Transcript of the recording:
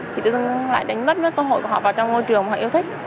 thì tự dưng lại đánh mất mất cơ hội của họ vào trong ngôi trường họ yêu thích